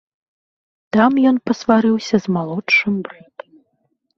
Там ён пасварыўся з малодшым братам.